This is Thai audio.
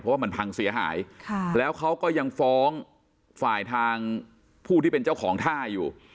เพราะว่ามันพังเสียหายแล้วเขาก็ยังฟ้องฝ่ายทางผู้ที่เป็นเจ้าของท่าอยู่